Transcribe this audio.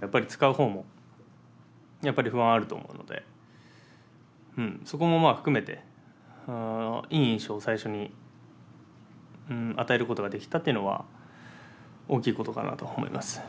やっぱり使う方もやっぱり不安はあると思うのでそこも含めていい印象を最初に与えることができたというのは大きいことかなと思います。